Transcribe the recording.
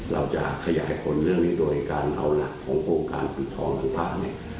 เราจะขยายผลเรื่องนี้โดยการเอาหลักของโครงการฝึกท้องทุกภาคเนี่ย